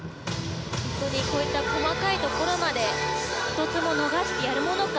こういった細かいところまで１つも逃してやるものか。